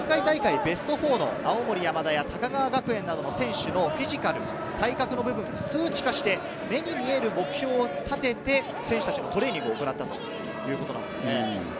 ベスト４の青森山田や高川学園などの選手のフィジカル、体格の部分を数値化して目に見える目標を立てて、選手たちのトレーニングを行ったということなんです。